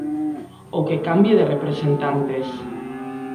Ou que cambie de representantes.